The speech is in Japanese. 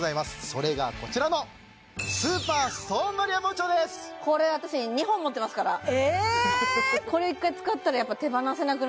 それがこちらのこれ私２本持ってますからええ？